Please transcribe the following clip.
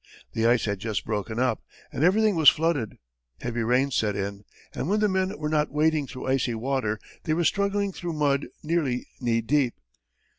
The ice had just broken up and everything was flooded; heavy rains set in, and when the men were not wading through icy water, they were struggling through mud nearly knee deep.